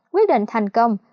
quyết định thành công